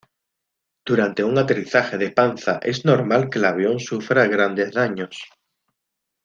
Durante un aterrizaje de panza es normal que el avión sufra grandes daños.